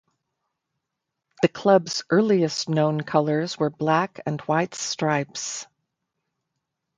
The club's earliest known colours were black and white stripes.